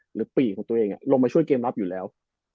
ปีกของตัวเองลงมาช่วยเกมรับอยู่แล้ว